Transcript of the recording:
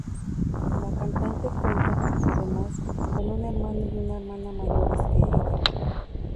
La cantante cuenta, además, con un hermano y una hermana mayores que ella.